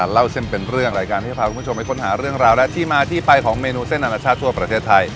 เล่าเส้นเป็นเรื่องรายการที่จะพาคุณผู้ชมไปค้นหาเรื่องราวและที่มาที่ไปของเมนูเส้นอนาชาติทั่วประเทศไทย